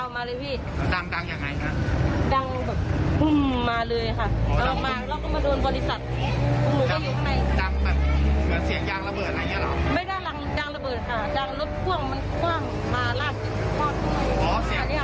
ไม่ได้รังยางระเบิดค่ะยางรถพ่วงมันคว่างมาลาก